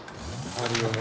あるよね